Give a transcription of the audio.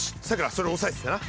それ押さえててな。